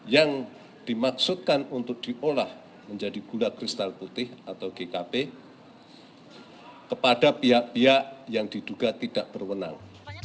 yang dimaksudkan untuk diolah menjadi gula kristal putih atau gkp kepada pihak pihak yang diduga tidak berwenang